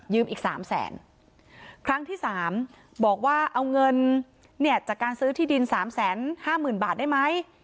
ยืมอีก๓แสนครั้งที่๓กลับจะบอกว่าเอาเงินเนี่ยจากการซื้อที่ดิน๓แสน๕๐๐๐๐บาทได้ไหม